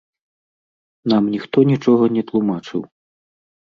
Нам ніхто нічога не тлумачыў.